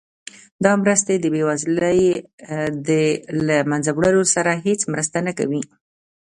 دا مرستې د بیوزلۍ د له مینځه وړلو سره هیڅ مرسته نه کوي.